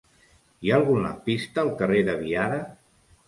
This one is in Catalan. Hi ha algun lampista al carrer de Biada?